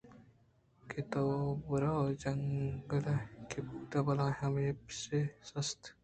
کہ تو بُہ روہمے جنگلءَکہ ہُودءَ بلاہیں ہپشاہے است